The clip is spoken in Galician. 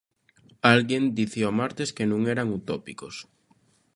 Alguén dicía o martes que non eran utópicos.